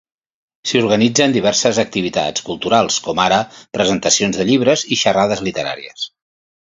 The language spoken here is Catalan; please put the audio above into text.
S'hi organitzen diverses activitats culturals, com ara presentacions de llibres i xerrades literàries.